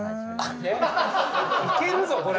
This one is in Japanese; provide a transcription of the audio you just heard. いけるぞこれ。